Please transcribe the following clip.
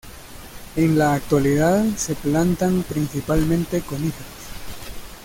En la actualidad se plantan principalmente coníferas.